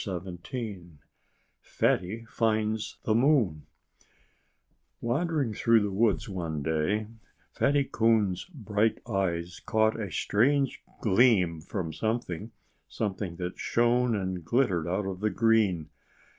XVII FATTY FINDS THE MOON Wandering through the woods one day, Fatty Coon's bright eyes caught a strange gleam from something something that shone and glittered out of the green.